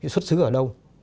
xuất xứ ở đâu